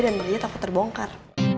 dan belinya takut terbongkar